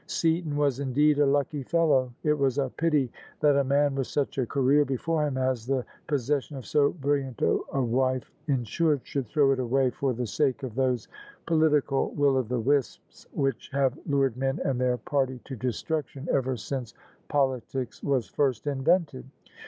Seaton was indeed a lucky fellow 1 It was a pity that a man with such a career before him as the posses sion of so brilliant a wife ensured, should throw it away for the sake of those political will o' the wisps which have lured men and their party to destruction ever since politics was first invented!